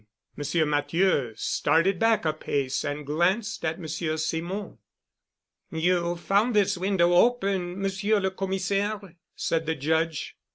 Monsieur Matthieu started back a pace and glanced at Monsieur Simon. "You found this window open, Monsieur le Commissaire," said the Judge.